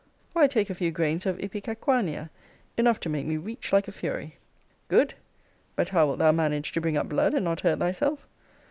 Why, take a few grains of ipecacuanha; enough to make me reach like a fury. Good! But how wilt thou manage to bring up blood, and not hurt thyself?